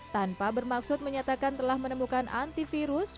tanpa bermaksud menyatakan telah menemukan antivirus